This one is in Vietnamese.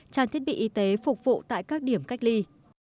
trang thiết bị y tế phục vụ tại các điểm cách ly